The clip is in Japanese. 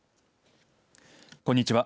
こんにちは。